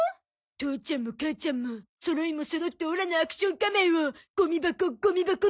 父ちゃんも母ちゃんもそろいもそろってオラのアクション仮面をゴミ箱ゴミ箱って！